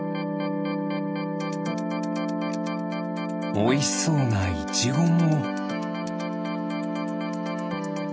おいしそうなイチゴも。